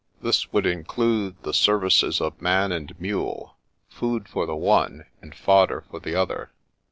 This would include the services of man and mule, food for the one, and fodder for the other.